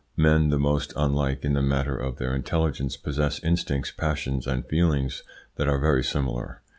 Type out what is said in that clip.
Men the most unlike in the matter of their intelligence possess instincts, passions, and feelings that are very similar.